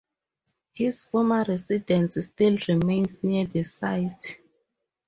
His former residence still remains near the site.